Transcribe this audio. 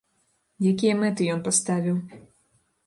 Якія мэты ён паставіў?